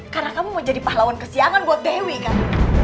karena kamu mau jadi pahlawan kesiangan buat dewi kan